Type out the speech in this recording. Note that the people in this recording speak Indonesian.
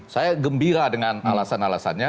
saya gembira dengan alasan alasannya